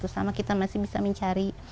sama kita masih bisa mencari